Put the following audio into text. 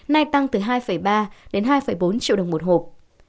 nay tăng từ hai ba đến hai bốn triệu đồng một hộp